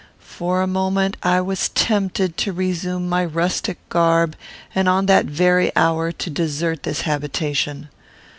For a moment I was tempted to resume my rustic garb, and, on that very hour, to desert this habitation.